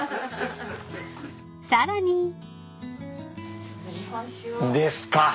［さらに］ですか。